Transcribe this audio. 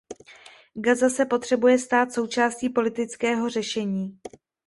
Gaza se potřebuje stát součástí politického řešení.